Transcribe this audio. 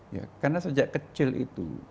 ya karena sejak kecil itu